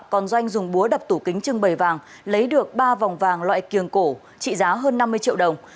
còn doanh dùng búa đập tủ kính trưng bày vàng lấy được ba vòng vàng loại kiềng cổ trị giá hơn năm mươi triệu đồng